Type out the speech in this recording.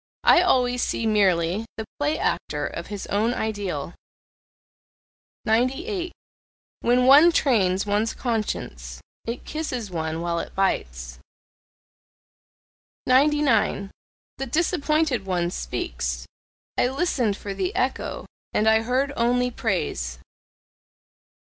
I always see merely the play actor of his own ideal. 98. When one trains one's conscience, it kisses one while it bites. 99. THE DISAPPOINTED ONE SPEAKS "I listened for the echo and I heard only praise."